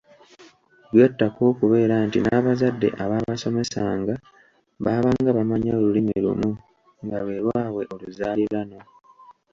Gattako okubeera nti n’abazadde abaabasomesanga baabanga bamanyi Olulimi lumu nga lwe lwabwe oluzaaliranwa.